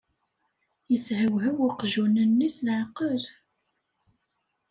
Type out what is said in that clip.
Yeshewhew uqjun-nni s leɛqel.